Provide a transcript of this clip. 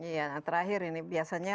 iya nah terakhir ini biasanya